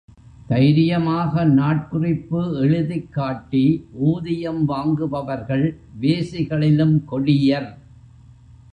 தைரியமாக நாட்குறிப்பு எழுதிக் காட்டி ஊதியம் வாங்குபவர்கள் வேசிகளிலும் கொடியர்.